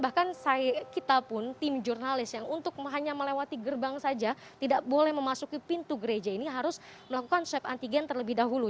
bahkan kita pun tim jurnalis yang untuk hanya melewati gerbang saja tidak boleh memasuki pintu gereja ini harus melakukan swab antigen terlebih dahulu